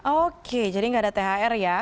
oke jadi nggak ada thr ya